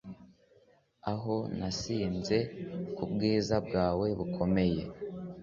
aho nasinze kubwiza bwawe bukomeye